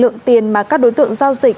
lượng tiền mà các đối tượng giao dịch